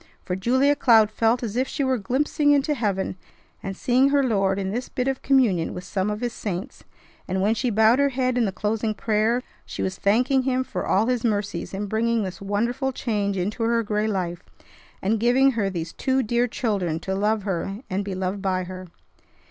For Julia Cloud felt as if she were glimpsing into heaven and seeing her Lord in this bit of communion with some of His saints; and, when she bowed her head in the closing prayer, she was thanking Him for all His mercies in bringing this wonderful change into her gray life, and giving her these two dear children to love her and be loved by her.